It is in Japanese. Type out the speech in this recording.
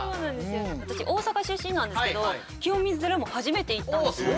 私大阪出身なんですけど清水寺も初めて行ったんですよ。